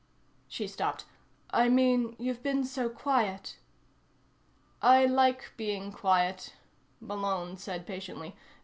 She stopped. "I mean, you've been so quiet." "I like being quiet," Malone said patiently.